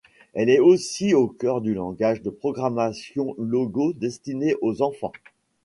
Elle est aussi au cœur du langage de programmation Logo destiné aux enfants.